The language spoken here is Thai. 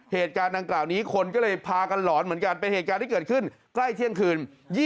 เหตุการณ์ดังกล่าวนี้คนก็เลยพากันหลอนเหมือนกันเป็นเหตุการณ์ที่เกิดขึ้นใกล้เที่ยงคืน